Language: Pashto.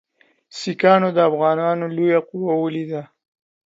سیکهانو د افغانانو لویه قوه ولیده.